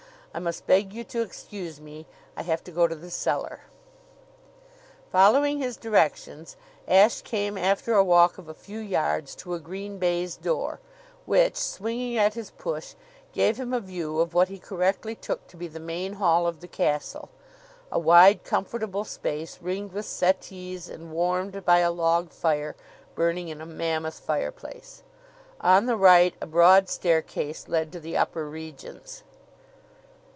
I must beg you to excuse me. I have to go to the cellar." Following his directions Ashe came after a walk of a few yards to a green baize door, which, swinging at his push, gave him a view of what he correctly took to be the main hall of the castle a wide, comfortable space, ringed with settees and warmed by a log fire burning in a mammoth fireplace. On the right a broad staircase led to the upper regions.